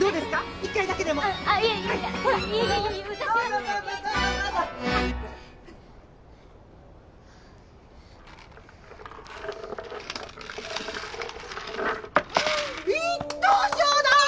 １等賞だぁ！